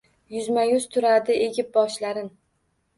Yuzma-yuz turadi egib boshlarin